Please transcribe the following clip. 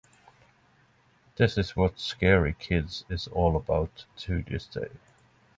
This is what Scary Kids is all about to this day.